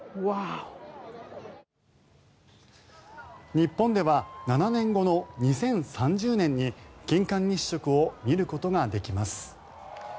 日本では７年後の２０３０年に金環日食を見ることができます。